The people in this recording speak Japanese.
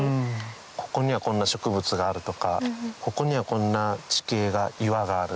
ここにはこんな植物があるとかここにはこんな地形が岩がある。